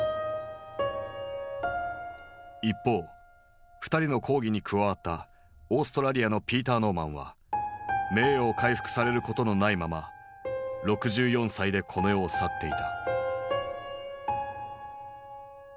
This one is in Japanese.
一方２人の抗議に加わったオーストラリアのピーター・ノーマンは名誉を回復されることのないまま６４歳でこの世を去っていた。